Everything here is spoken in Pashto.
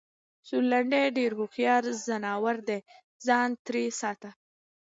سورلنډی ډېر هوښیار ځناور دی٬ ځان ترې ساته!